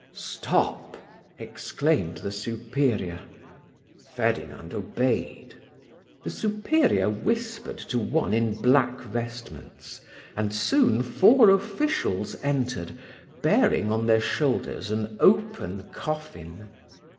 "Stop!" exclaimed the superior. Ferdinand obeyed. The superior whispered to one in black vestments, and soon four officials entered, bearing on their shoulders an open coffin.